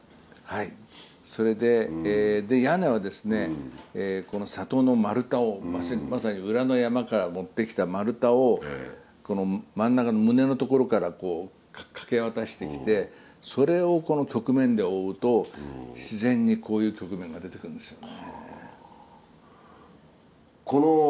それで屋根はこの里の丸太をまさに裏の山から持ってきた丸太をこの真ん中の棟の所から掛け渡してきてそれをこの曲面で覆うと自然にこういう曲面が出てくるんですよね。